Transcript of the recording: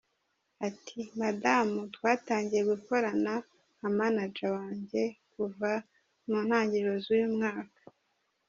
Ati “Madamu twatangiye gukorana nka manager wanjye kuva mu ntangiriro z’uyu mwaka.